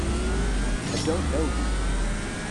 I don't know you!